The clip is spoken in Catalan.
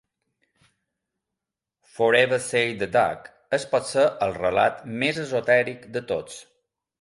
"Forever, said the Duck" és potser el relat més esotèric de tots.